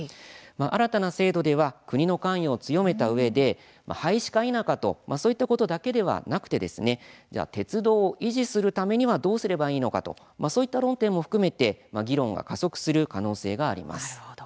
新たな制度では国の関与を強めたうえで廃止か否かといったそういったことだけではなくて鉄道を維持するためにどうすればいいのかそういった論点も含めて議論が加速する可能性があります。